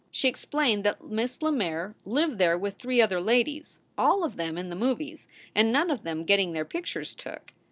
She explained that Miss Lemaire lived there with three other ladies, all of them in the movies, and none of them getting their pictures took.